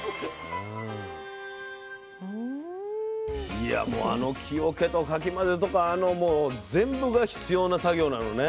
いやもうあの木桶とかき混ぜとかあのもう全部が必要な作業なのね。